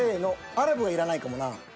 アラブはいらないかもな。